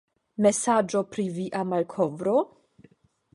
Mesaĝo pri via malkovro?